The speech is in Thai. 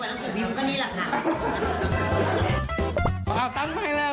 อันนี้ต้องมา